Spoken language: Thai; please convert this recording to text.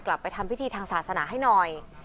กลับไปทำพิธีทางศาสนาให้หน่อย